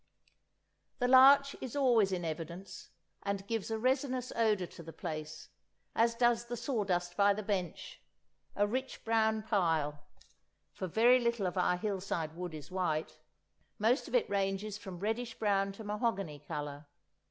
The larch is always in evidence, and gives a resinous odour to the place, as does the sawdust by the bench, a rich brown pile, for very little of our hillside wood is white; most of it ranges from reddish brown to mahogany colour.